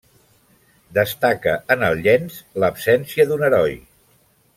Destaca en el llenç l'absència d'un heroi.